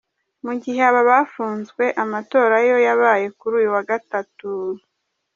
Mu gihe aba bafunzwe, amatora yo yabaye kuri uyu wa Gatatu.